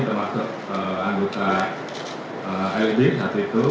termasuk anggota lb saat itu